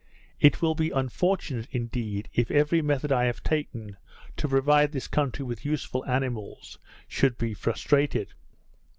It will be unfortunate, indeed, if every method I have taken, to provide this country with useful animals, should be frustrated.